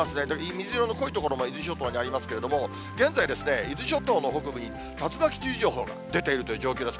水色の濃い所も伊豆諸島にありますけれども、現在、伊豆諸島の北部に竜巻注意情報が出ているという状況です。